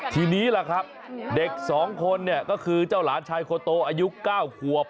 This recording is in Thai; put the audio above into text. ทีนี้ล่ะครับเด็ก๒คนเนี่ยก็คือเจ้าหลานชายโคโตอายุ๙ขวบ